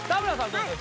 どうですか？